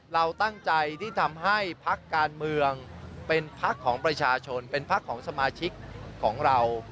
เราตั้งใจที่ทำให้พักการเมืองเป็นพักของประชาชนเป็นพักของสมาชิกของเรา